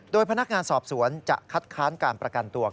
โดยพนักงานสอบสวนจะคัดค้านการประกันตัว